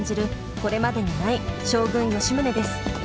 これまでにない将軍・吉宗です。